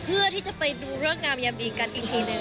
เพื่อที่จะไปดูเลิกงามยามดีกันอีกทีหนึ่ง